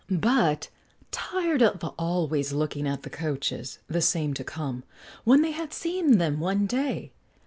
But, tired of always looking at the coaches, The same to come, when they had seen them one day!